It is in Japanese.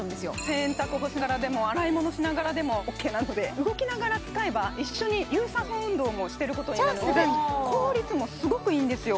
洗濯干しながらでも洗い物しながらでもＯＫなので動きながら使えば一緒に有酸素運動もしてることになるので効率もすごくいいんですよ